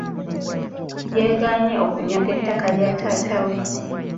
Yeegaanye okunyaga ettaka lya taata we.